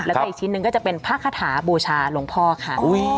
แล้วก็อีกชิ้นหนึ่งก็จะเป็นพระคาถาบูชาหลวงพ่อค่ะ